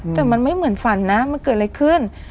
แต่มันไม่เหมือนฝันนะมันเกิดอะไรขึ้น